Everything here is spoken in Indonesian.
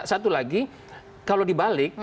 satu lagi kalau dibalik